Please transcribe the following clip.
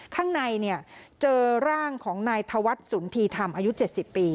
ข้างในเจอร่างของนายธวัฒน์สุนธีธรรมอายุ๗๐ปี